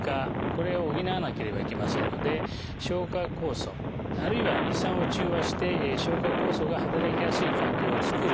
これを補わなければいけませんので消化酵素あるいは胃酸を中和して消化酵素が働きやすい環境を作る制酸剤。